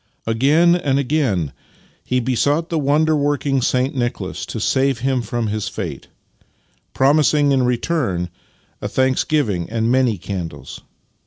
Again and again he besought the wonder working Saint Nicholas to save him from his fate, promising in return a thanksgiving and many candles.